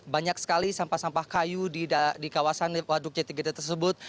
banyak sekali sampah sampah kayu di kawasan waduk jati gede tersebut